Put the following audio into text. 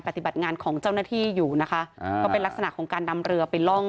ปฏิบัติงานของเจ้าหน้าที่อยู่นะคะอ่าก็เป็นลักษณะของการนำเรือไปล่อง